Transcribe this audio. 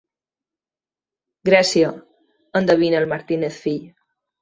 Grècia –endevina el Martínez fill.